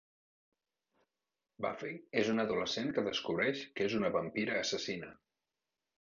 Buffy és una adolescent que descobreix que és una vampira assassina.